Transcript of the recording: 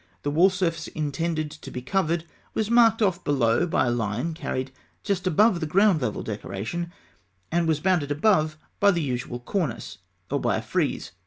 The wall surface intended to be covered was marked off below by a line carried just above the ground level decoration, and was bounded above by the usual cornice, or by a frieze.